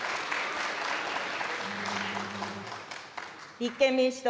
立憲民主党